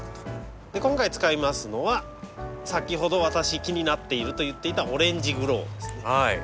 で今回使いますのは先ほど私気になっていると言っていたオレンジグローです。